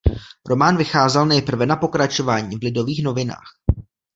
Román vycházel nejprve na pokračování v Lidových novinách.